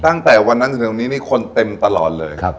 ตั้งแต่วันนั้นจนถึงตรงนี้นี่คนเต็มตลอดเลย